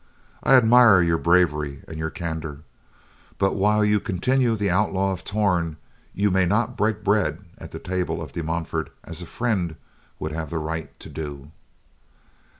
I admire your bravery and your candor, but while you continue the Outlaw of Torn, you may not break bread at the table of De Montfort as a friend would have the right to do."